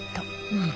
うん？